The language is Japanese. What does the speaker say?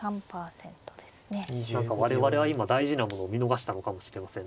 何か我々は今大事なものを見逃したのかもしれませんね。